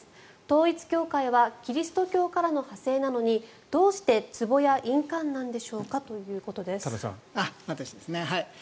統一教会はキリスト教からの派生なのにどうしてつぼや印鑑なんでしょうか多田さん。